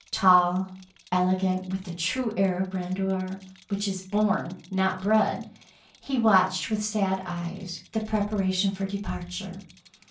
Tall, elegant, with the true air of grandeur which is born, not bred, he watched with sad eyes the prepara tions for departure.